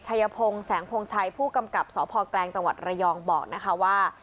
ชัยพงศ์แสงพงชัยผู้กำกับสพแกลงจังหวัดระยองบอกนะคะว่า